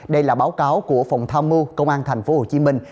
đây là báo cáo của phòng tham mưu công an thành phố hồ chí minh